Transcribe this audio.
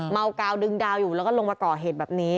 กาวดึงดาวอยู่แล้วก็ลงมาก่อเหตุแบบนี้